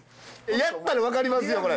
やったら分かりますよこれ。